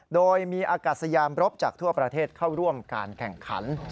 โดยมีอากาศยามรบจากทั่วประเทศเข้าร่วมการแข่งขัน